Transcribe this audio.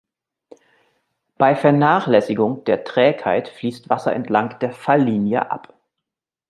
Bei Vernachlässigung der Trägheit fließt Wasser entlang der Falllinie ab.